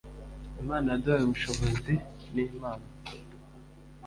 imana yaduhaye ubushobozi n'impano